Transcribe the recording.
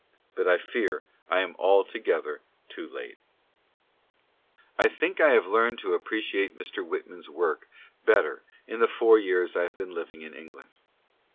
But I fear I am altogether too late I think I have learned to appreciate Mr. Whitman's work bet ter in the four years I have been living in England.